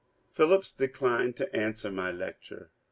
... Phillips declined to answer my lecture.